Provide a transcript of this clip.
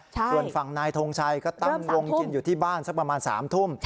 ส่วนฝั่งนายทงชัยก็ตั้งวงกินอยู่ที่บ้านสักประมาณ๓ทุ่ม